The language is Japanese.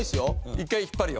１回引っ張るよ。